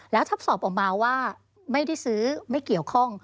แล้วถ้าสอบออกมาว่าไม่ได้ซื้อไม่เกี่ยวข้อง